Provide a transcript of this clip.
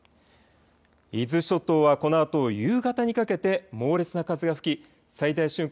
伊豆諸島はこのあと夕方にかけて猛烈な風が吹き最大瞬間